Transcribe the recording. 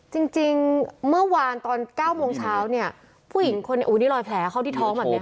จริงจริงเมื่อวานตอนเก้าโมงเช้าเนี้ยผู้หญิงคนนี้อุ้ยนี่ลอยแผลเขาที่ท้องแบบเนี้ยครับ